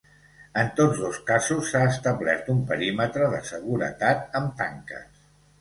En tots dos casos s’ha establert un perímetre de seguretat amb tanques.